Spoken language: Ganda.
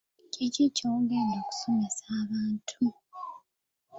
Ki ky'ogenda okusomesa abantu?